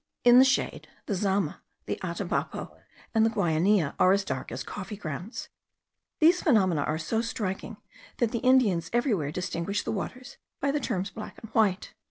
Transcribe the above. In the shade, the Zama, the Atabapo, and the Guainia, are as dark as coffee grounds. These phenomena are so striking, that the Indians everywhere distinguish the waters by the terms black and white.